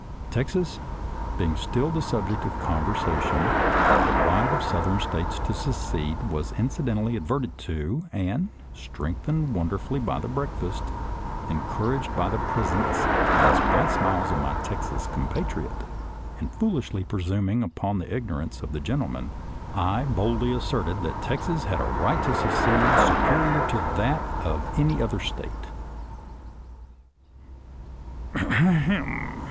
Texas being still the subject of conversation, the right of the Southern States to secede was inci dentally adverted to, and, strengthened wonder fully by the breakfast, encouraged by the pres ence and bright smiles of my Texas compatriot, and foolishly presuming upon the ignorance of the gentlemen, I boldly asserted that Texas had a right to secede superior to that of any other State, " Ahem